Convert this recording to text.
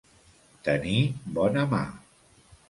Tenir bona mà.